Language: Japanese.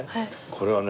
これはね